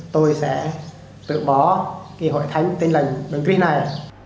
tôi sẽ tự bỏ cái hội thánh tên lành đơn ký này